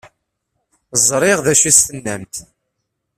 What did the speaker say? Ẓṛiɣ d acu i s-tennamt.